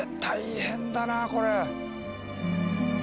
大変だなこれ！